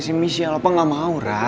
kaya si missial opa gak mau ra